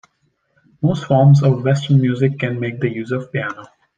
Most forms of Western music can make use of the piano.